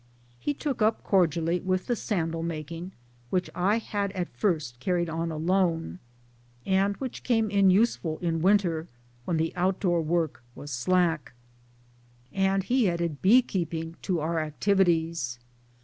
He took up cordially with the sandal making, which I had at first carried on alone, and which came in useful in winter when the MY DAYS AND DREAMS outdoor work was slack ; and he added bee keeping to our activities.